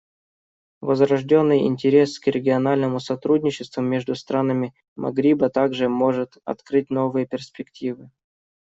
Возрожденный интерес к региональному сотрудничеству между странами Магриба также может открыть новые перспективы.